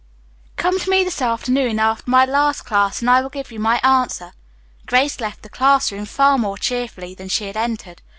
Come to me this afternoon after my last class and I will give you my answer." Grace left the class room far more cheerfully than she had entered.